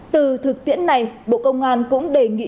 từ thực tiễn này bộ công an cũng đề nghị